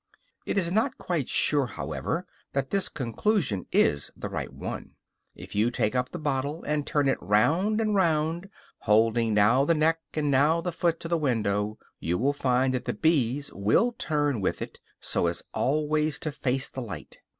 It is not quite sure, however, that this conclusion is the right one. If you take up the bottle and turn it round and round, holding now the neck and now the foot to the window, you will find that the bees will turn with it, so as always to face the light.